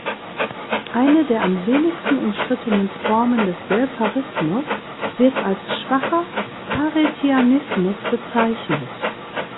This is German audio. Eine der am wenigsten umstrittenen Formen des Welfarismus wird als schwacher Paretianismus bezeichnet.